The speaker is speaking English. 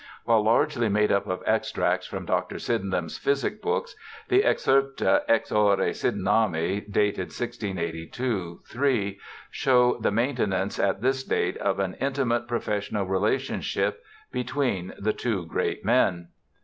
While largely made up of extracts from Dr. Sydenham's physic books, the excerpta ex ore Sydenhami, dated 1682 3, show I04 BIOGRAPHICAL ESSAYS the maintenance at this date of an intimate professional relationship between the two great men.